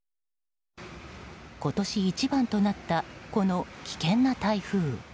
今年一番となったこの危険な台風。